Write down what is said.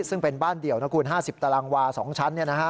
ซึ่งเป็นบ้านเดี่ยวนะคุณ๕๐ตารางวา๒ชั้น